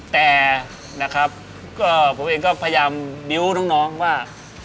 แต่นะครับก็ผมเองก็พยายามบิ้วน้องว่า